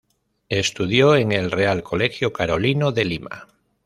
Estudió en el Real Colegio Carolino de Lima.